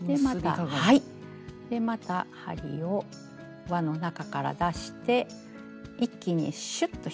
でまた針を輪の中から出して一気にシュッと引っ張ります。